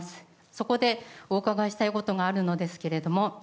そこでお伺いしたいことがあるんですけども